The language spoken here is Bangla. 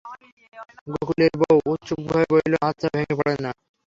গোকুলের বউ উৎসুকভাবে বলিল, আচ্ছা, ভেঙে পড়ে না?